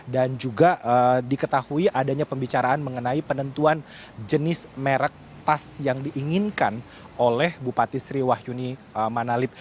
dan juga diketahui adanya pembicaraan mengenai penentuan jenis merek pas yang diinginkan oleh bupati sri wahyuni manalip